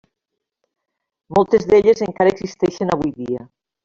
Moltes d’elles encara existeixen avui dia.